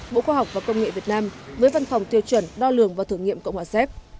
bộ khoa học và công nghệ việt nam với văn phòng tiêu chuẩn đo lường và thử nghiệm cộng hòa xếp